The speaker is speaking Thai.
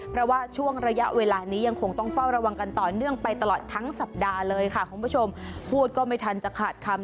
เพราะว่าช่วงระยะเวลานี้ยังคงต้องเฝ้าระวังกันต่อเนื่องไปตลอดทั้งสัปดาห์เลยค่ะคุณผู้ชมพูดก็ไม่ทันจะขาดคำ